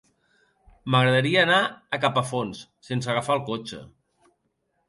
M'agradaria anar a Capafonts sense agafar el cotxe.